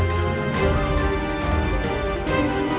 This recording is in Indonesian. kayaknya kita lambat